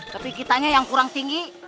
tapi kitanya yang kurang tinggi